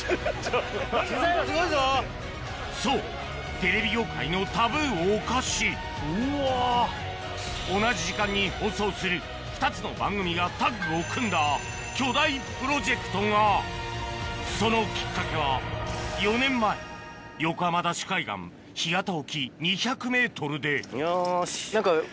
そうテレビ業界のタブーをおかし・うわ・同じ時間に放送する２つの番組がタッグを組んだ巨大プロジェクトがそのきっかけは４年前横浜ＤＡＳＨ海岸干潟沖２００ｍでよし。